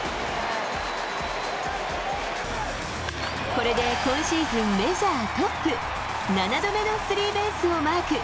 これで今シーズン、メジャートップ、７度目のスリーベースをマーク。